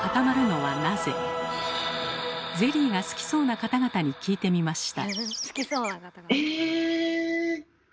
ゼリーが好きそうな方々に聞いてみました。